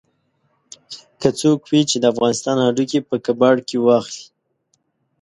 که څوک وي چې د افغانستان هډوکي په کباړ کې واخلي.